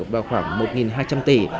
vào khoảng một hai trăm linh tỷ